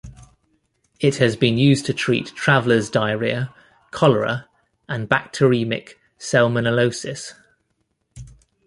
It has been used to treat traveler's diarrhoea, cholera and bacteremic salmonellosis.